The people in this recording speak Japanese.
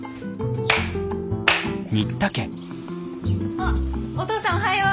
あっお父さんおはよう。